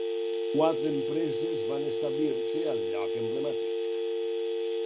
Quatre empreses van establir-se al lloc emblemàtic.